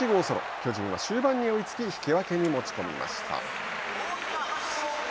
巨人は終盤に追いつき引き分けに持ち込みました。